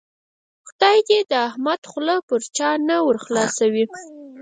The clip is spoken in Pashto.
خدای دې د احمد خوله پر چا نه ور خلاصوي.